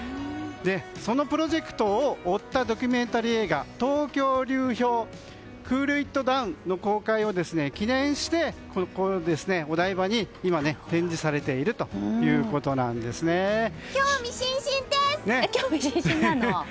そのプロジェクトを追ったドキュメンタリー映画「東京流氷ＣＯＯＬＩＴＤＯＷＮ」の公開を記念してお台場に展示されている興味津々です！